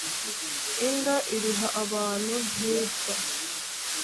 inda iriha abantu ntipfa